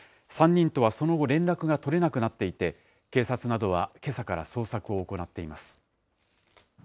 ３人とはその後、連絡が取れなくなっていて、警察などはけさから捜索を行っています。